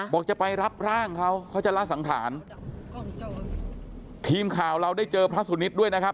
บอกจะไปรับร่างเขาเขาจะละสังขารทีมข่าวเราได้เจอพระสุนิทด้วยนะครับ